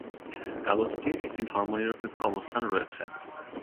কাগজটির একটি ধর্মনিরপেক্ষ অবস্থান রয়েছে।